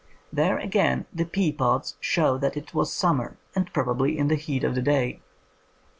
Here, again, the pea pods show^ that it was summer, and probably in the heat of the day.